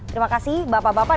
terima kasih bapak bapak